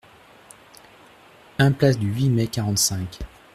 un place du huit Mai quarante-cinq